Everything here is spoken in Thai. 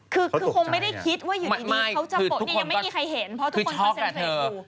คือคงไม่ได้คิดว่าอยู่ในนี้เขาจะปล่อยเนี่ยยังไม่มีใครเห็นเพราะทุกคนคอนเซ็นเทรดกู